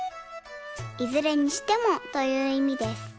「いずれにしても」といういみです。